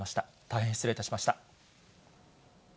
大変失礼いたしました。